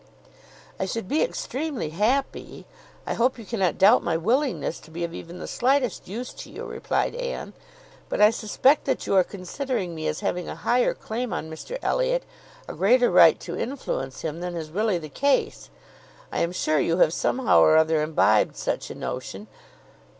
"I should be extremely happy; I hope you cannot doubt my willingness to be of even the slightest use to you," replied Anne; "but I suspect that you are considering me as having a higher claim on Mr Elliot, a greater right to influence him, than is really the case. I am sure you have, somehow or other, imbibed such a notion.